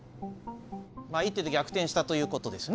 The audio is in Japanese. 一手で逆転したということですね